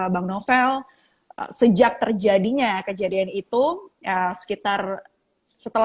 bang novel sejak terjadinya kejadian itu sekitar setelah dua tahun delapan bulan